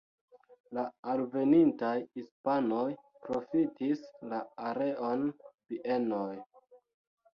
La alvenintaj hispanoj profitis la areon bienoj.